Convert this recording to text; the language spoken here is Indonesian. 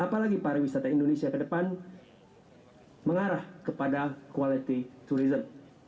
apalagi pariwisata indonesia ke depan mengarah kepada quality tourism